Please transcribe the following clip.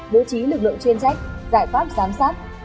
đối chí lực lượng chuyên trách giải pháp giám sát